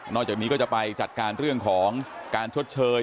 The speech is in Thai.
จากนี้ก็จะไปจัดการเรื่องของการชดเชย